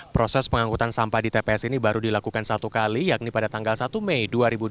proses pengangkutan sampah di tps ini baru dilakukan satu kali yakni pada tanggal satu mei dua ribu dua puluh